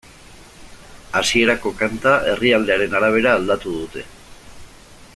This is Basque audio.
Hasierako kanta herrialdearen arabera aldatu dute.